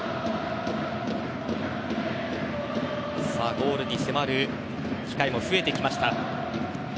ゴールに迫る機会も増えてきました。